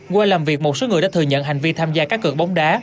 qua làm việc một số người đã thừa nhận hành vi tham gia các cực bóng đá